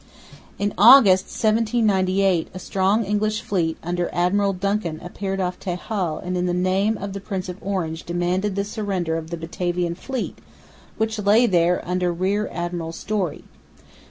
In August, 1798, a strong English fleet under Admiral Duncan appeared off Texel and in the name of the Prince of Orange demanded the surrender of the Batavian fleet which lay there under Rear Admiral Story.